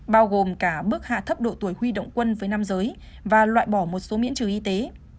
bao gồm cả bức hạ thấp độ tuổi huy động quân với nam giới và loại bỏ một số miễn trừ y tế